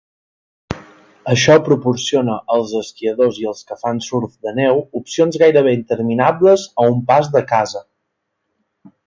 Això proporciona als esquiadors i als que fan surf de neu opcions gairebé interminables a un pas de casa.